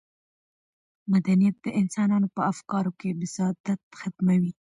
مدنیت د انسانانو په افکارو کې بساطت ختموي.